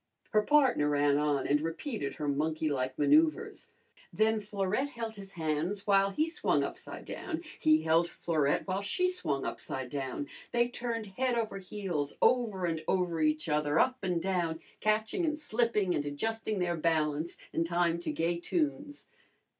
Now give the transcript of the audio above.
Her partner ran on and repeated her monkeylike manoeuvres. Then Florette held his hands while he swung upside down, he held Florette while she swung upside down. They turned head over heels, over and over each other, up and down, catching and slipping, and adjusting their balance, in time to gay tunes.